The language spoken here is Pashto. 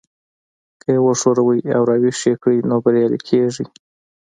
که يې وښوروئ او را ويښ يې کړئ نو بريالي کېږئ.